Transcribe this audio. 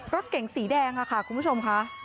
รถเก๋งสีแดงค่ะคุณผู้ชมค่ะ